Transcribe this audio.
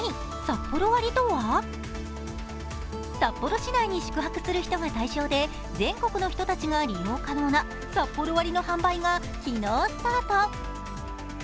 札幌市内に宿泊する人が対象で、全国の人たちが利用可能なサッポロ割の販売が昨日スタート。